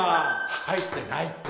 入ってないって。